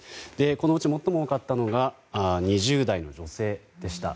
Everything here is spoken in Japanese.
このうち、最も多かったのが２０代の女性でした。